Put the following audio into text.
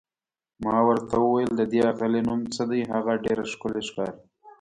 ما ورته وویل: د دې اغلې نوم څه دی، هغه ډېره ښکلې ښکاري؟